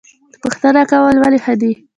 پوښتنه کول ولې ښه دي؟